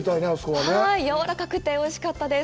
はい、やわらかくて、おいしかったです。